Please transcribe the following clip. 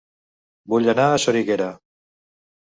Vull anar a Soriguera